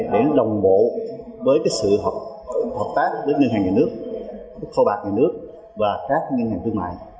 để đồng bộ với sự hợp tác với ngân hàng nhà nước kho bạc nhà nước và các ngân hàng thương mại